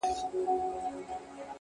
خپل مسیر د پوهې او عمل په رڼا جوړ کړئ,